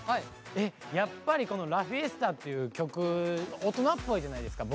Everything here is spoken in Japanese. やっぱりこの「Ｌａｆｉｅｓｔａ」っていう曲大人っぽいじゃないですか